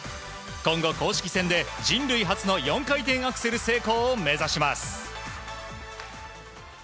今後、公式戦で人類初の４回転アクセル成功を目指します。